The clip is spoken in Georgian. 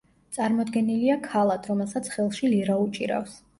წარმოდგენილია ქალად, რომელსაც ხელში ლირა უჭირავს.